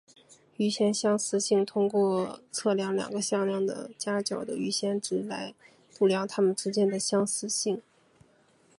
余弦相似性通过测量两个向量的夹角的余弦值来度量它们之间的相似性。